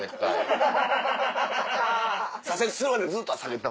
左折するまでずっと下げてた。